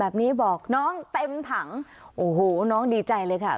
แบบนี้บอกน้องเต็มถังโอ้โหน้องดีใจเลยค่ะ